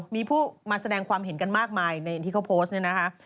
มีผู้มาแสดงความเห็นกันมากมายในที่เขาโพสต์เนี่ยนะคะ